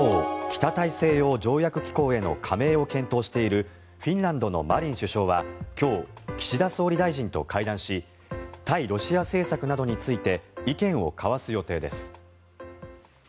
ＮＡＴＯ・北大西洋条約機構への加盟を検討しているフィンランドのマリン首相は今日、岸田総理大臣と会談し対ロシア政策などについて意見を交わす予定です。